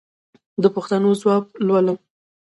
د پوښتنو ځواب لولم.